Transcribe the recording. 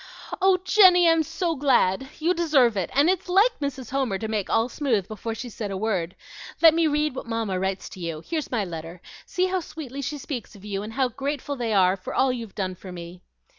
"Oh, Jenny, I'm so glad! You deserve it, and it's like Mrs. Homer to make all smooth before she said a word. Let me read what Mamma writes to you. Here's my letter; see how sweetly she speaks of you, and how grateful they are for all you've done for me."